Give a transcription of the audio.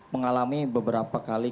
mengalami beberapa kali